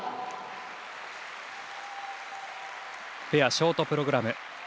ペアショートプログラム。